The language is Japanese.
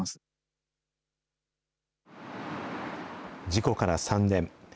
事故から３年。